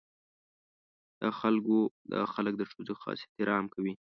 دا خلک د ښځو خاص احترام کوي.